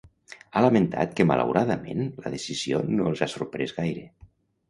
Ha lamentat que “malauradament” la decisió no els ha “sorprès gaire”.